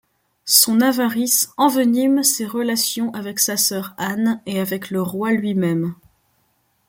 Son avarice envenime ses relations avec sa sœur Anne et avec le Roi lui-même.